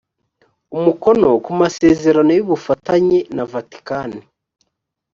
umukono ku masezerano y ubufatanye na vatikani